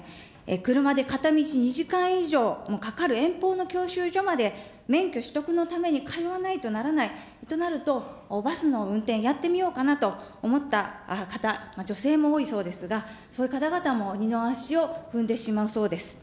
車で片道２時間以上も遠方の教習所まで免許取得のために通わないとならないとなると、バスの運転、やってみようかなと思った方、女性も多いそうですが、そういう方々も二の足を踏んでしまうそうです。